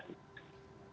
tapi kita lihat ada dua area